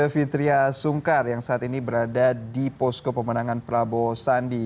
fitriah sungkar yang saat ini berada di posko pemenangan prabowo sandi